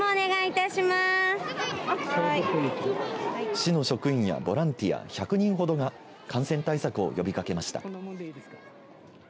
市の職員やボランティア１００人ほどが感染対策を呼びかけました。